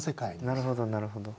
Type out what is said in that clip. なるほどなるほど。